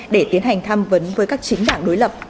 để tiến hành tham vấn với các chính đảng đối lập